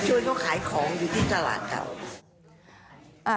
ช่วยเขาขายของอยู่ที่ตลาดเก่า